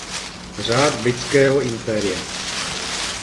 Řád britského impéria.